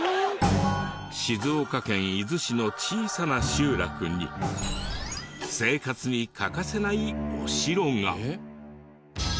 静岡県伊豆市の小さな集落に生活に欠かせないお城が。